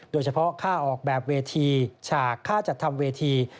โดยเฉพาะค่าออกแบบเวทีฉากค่าจัดทำเวที